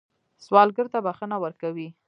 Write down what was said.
سوالګر ته بښنه ورکوئ